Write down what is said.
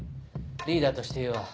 リーダーとして言うわ。